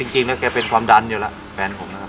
จริงแล้วแกเป็นความดันอยู่แล้วแฟนผมนะครับ